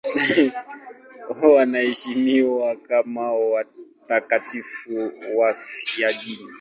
Wanaheshimiwa kama watakatifu wafiadini.